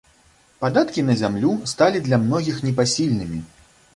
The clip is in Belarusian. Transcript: Падаткі на зямлю сталі для многіх непасільнымі.